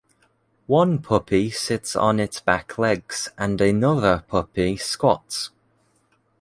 One puppy sits on its back legs and another puppy squats.